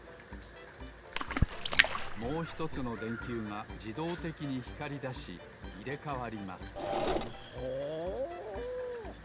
もうひとつのでんきゅうがじどうてきにひかりだしいれかわりますほお！